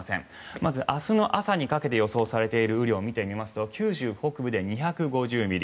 まず、明日の朝にかけて予想されている雨量を見てみますと九州北部で２５０ミリ